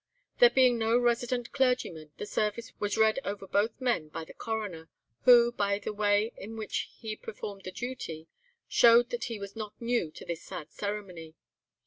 There being no resident clergyman, the service was read over both men by the Coroner, who, by the way in which he performed the duty, showed that he was not new to this sad ceremony.